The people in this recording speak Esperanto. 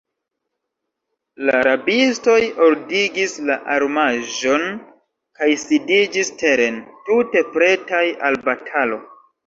La rabistoj ordigis la armaĵon kaj sidiĝis teren, tute pretaj al batalo.